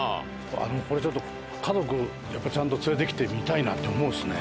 これちょっと家族やっぱりちゃんと連れてきて見たいなって思いますね。